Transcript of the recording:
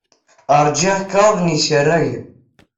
Ṛjiɣ kraḍ n yisragen.